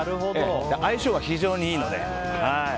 相性が非常にいいので。